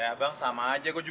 aduh aduh aduh aduh